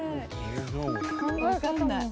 わかんない。